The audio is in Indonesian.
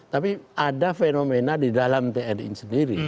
tapi ada fenomena di dalam tni sendiri